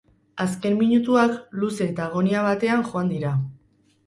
Azken minutuak luze eta agonia batean joan dira.